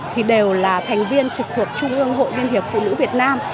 thì đều là thành viên trực thuộc trung ương hội liên hiệp phụ nữ việt nam